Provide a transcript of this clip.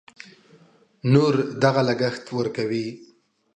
نور دغه لګښت ورکوي.